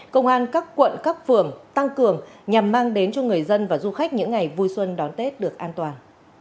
công an các quận các phường tăng cường nhằm mang đến cho người dân và du khách những ngày vui xuân đón tết được an toàn